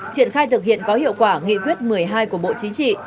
triển khai thực hiện có hiệu quả nghị quyết một mươi hai của bộ chính trị